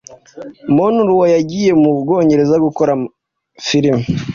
Monroe yagiye mu Bwongereza gukora filime,